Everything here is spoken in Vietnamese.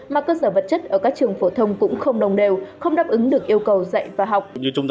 mà cơ sở vật chất ở các trường phổ thông cũng không đồng đều không đáp ứng được yêu cầu dạy và học